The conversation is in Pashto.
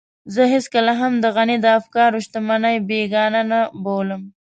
زه هېڅکله هم د غني د افکارو شتمنۍ بېګانه نه بولم.